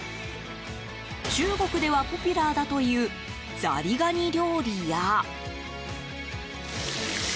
中国ではポピュラーだというザリガニ料理や。